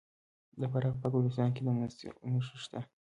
د فراه په ګلستان کې د مسو نښې شته.